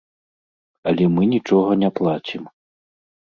Але мы нічога не плацім.